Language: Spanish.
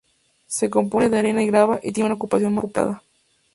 Se compone de arena y grava y tiene una ocupación moderada.